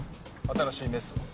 新しいメスを。